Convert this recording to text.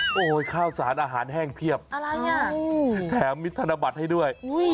โอ้โหข้าวสารอาหารแห้งเพียบอะไรอ่ะแถมมิดธนบัตรให้ด้วย